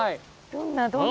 どんなどんな？